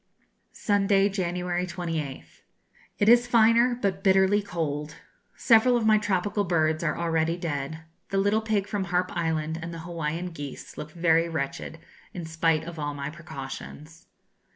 Sunday, January 28th. It is finer, but bitterly cold. Several of my tropical birds are already dead. The little pig from Harpe Island, and the Hawaiian geese, look very wretched, in spite of all my precautions.